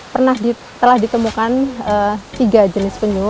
pernah telah ditemukan tiga jenis penyu